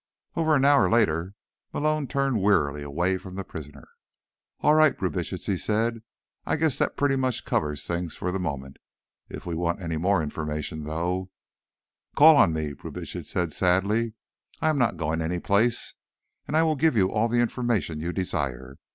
Over an hour later, Malone turned wearily away from the prisoner. "All right, Brubitsch," he said. "I guess that pretty much covers things for the moment. If we want any more information, though—" "Call on me," Brubitsch said sadly. "I am not going anyplace. And I will give you all the information you desire.